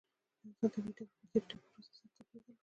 د انسان طبیعي تفکر د ډیټا پروسس سره توپیر درلود.